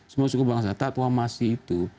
semua suku bangsa tatwa masih itu